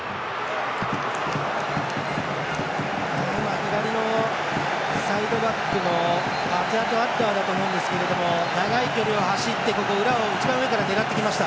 左のサイドバックのアティアトアッラーだと思うんですが長い距離を走って裏を一番上から狙ってきました。